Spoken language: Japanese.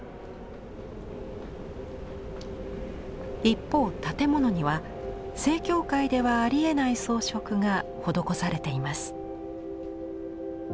一方建物には正教会ではありえない装飾が施されています。